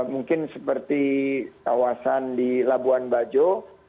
mungkin seperti kawasan di labuan bajo